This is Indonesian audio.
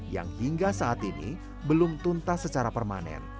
yang hingga saat ini belum tuntas secara permanen